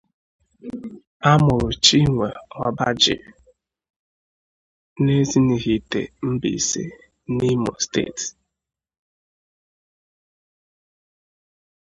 Amụrụ Chinwe Obaji n' Ezinihitte-Mbaise na Imo State.